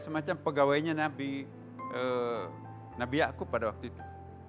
semacam pegawainya nabi nabi yaakub pada waktu itu